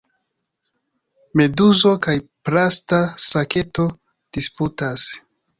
Meduzo kaj plasta saketo disputas.